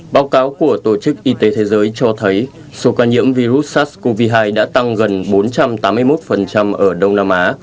báo cáo của tổ chức y tế thế giới cho thấy số ca nhiễm virus sars cov hai đã tăng gần bốn trăm tám mươi một ở đông nam á